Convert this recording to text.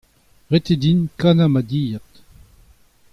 Ret eo din kannañ ma dilhad.